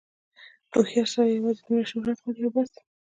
هوښیار سړی یوازې دومره شهرت غواړي او بس.